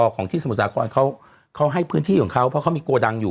ของที่สมุทรสาครเขาให้พื้นที่ของเขาเพราะเขามีโกดังอยู่